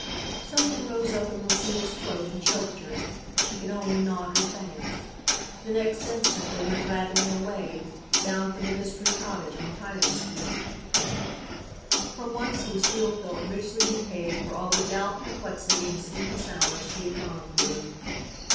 Something rose up in Lucile's throat and choked her. She could only nod her thanks. The next instant they went rattling away, bound for the mystery cottage on Tyler street. For once Lucile felt richly repaid for all the doubt, perplexity and sleepless hours she had gone through.